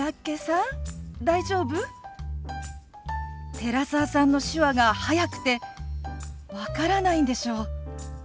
寺澤さんの手話が速くて分からないんでしょ。